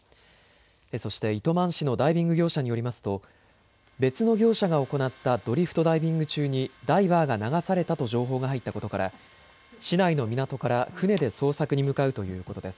そして糸満市のダイビング業者によりますと別の業者が行ったドリフトダイビング中にダイバーが流されたと情報が入ったことから市内の港から船で捜索に向かうということです。